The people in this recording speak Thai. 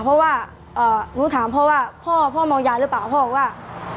เพราะว่าเอ่อหนูถามเพราะว่า